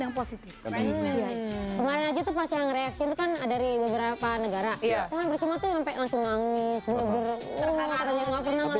yang positif kemarin aja tuh pasang reaksi bukan ada di beberapa negara ya sampai langsung